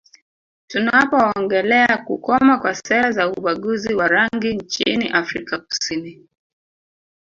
Tunapoongelea kukoma kwa sera za ubaguzi wa rangi nchini Afrika Kusini